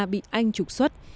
bị anh trục xuất